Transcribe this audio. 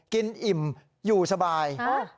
อิ่มอยู่สบาย